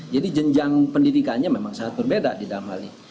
jadi jenjang pendidikannya memang sangat berbeda di dalam hal ini